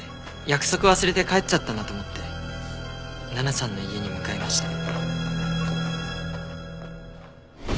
約束忘れて帰っちゃったんだと思って奈々さんの家に向かいました。